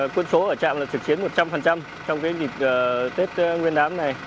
quân số ở trạm là trực chiến một trăm linh trong dịp tết nguyên đám này